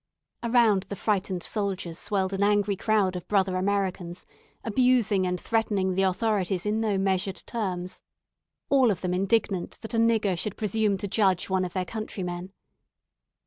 Around the frightened soldiers swelled an angry crowd of brother Americans, abusing and threatening the authorities in no measured terms, all of them indignant that a nigger should presume to judge one of their countrymen.